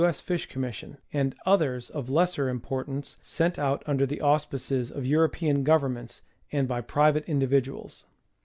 S. Fish Commission, and others of lesser importance, sent out under the auspices of European governments, and by private individuals.